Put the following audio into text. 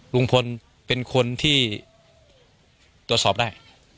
ลุงพลเป็นคนที่ตรวจสอบได้